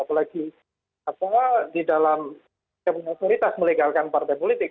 apalagi apa di dalam kemaksuditas melegalkan partai politik